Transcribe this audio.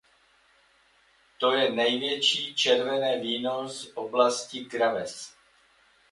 Je to největší červené víno z oblasti Graves.